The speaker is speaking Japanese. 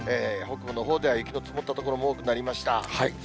北部のほうでは雪の積もった所も多くなりました。